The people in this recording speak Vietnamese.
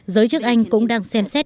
giới chức anh cũng đang xem xét